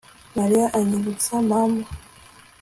Mariya anyibutsa mama